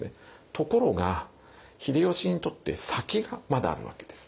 ところが秀吉にとって先がまだあるわけです。